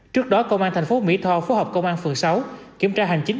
trước đó công an thành phố mỹ tho phố học công an phường sáu kiểm tra hành chính